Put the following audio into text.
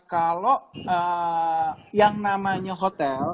kalau yang namanya hotel